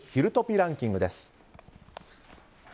ランキングです。